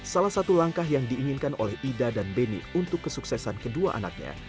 salah satu langkah yang diinginkan oleh ida dan beni untuk kesuksesan kedua anaknya